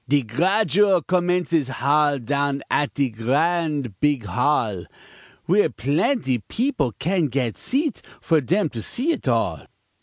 De Gradual Commence is hol' Down at de gr'ad beeg hall, W'ere plaintee peopl' can gat seat For dem to see it all.